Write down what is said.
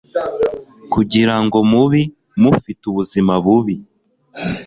kugira ngo mubi mufite ubuzima bubi